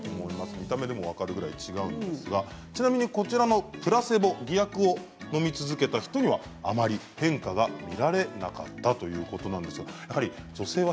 見た目でも分かるぐらい違いますがちなみにプラセボ、偽薬を飲み続けた人にはあまり変化が見られなかったということです。